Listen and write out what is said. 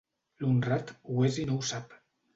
L'honrat ho és i no ho sap.